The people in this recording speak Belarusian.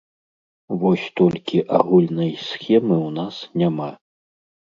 Вось толькі агульнай схемы ў нас няма!